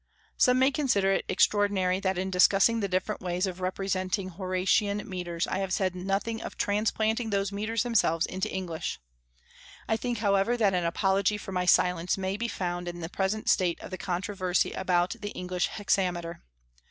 Some may consider it extraordinary that in discussing the different ways of representing Horatian metres I have said nothing of transplanting those metres themselves into English. I think, however, that an apology for my silence may he found in the present state of the controversy about the English hexameter.